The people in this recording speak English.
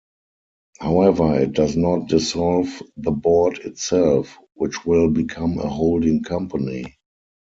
However, it does not dissolve the Board itself, which will become a holding company.